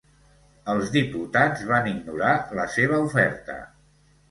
Els diputats van ignorar la seva oferta.